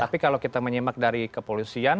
tapi kalau kita menyimak dari kepolisian